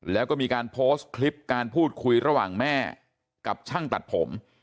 แล้วก็มีการโพสต์คลิปการพูดคุยระหว่างแม่กับช่างตัดผม